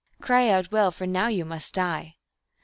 Cry out well, for now you must die